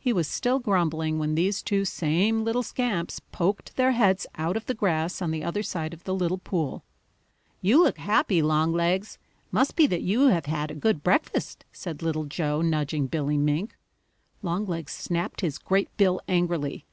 He was still grumbling when these two same little scamps poked their heads out of the grass on the other side of the little pool. "You look happy, Longlegs. Must be that you have had a good breakfast," said Little Joe, nudging Billy Mink. Longlegs snapped his great bill angrily.